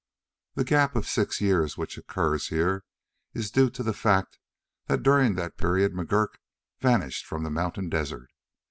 The gap of six years which occurs here is due to the fact that during that period McGurk vanished from the mountain desert.